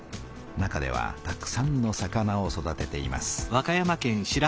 中ではたくさんの魚を育てています。